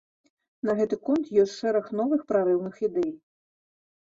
На гэты конт ёсць шэраг новых прарыўных ідэй.